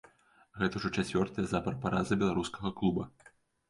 Гэта ўжо чацвёртая запар параза беларускага клуба.